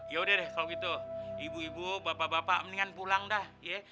yaudah deh kalau gitu ibu ibu bapak bapak mendingan pulang dah ya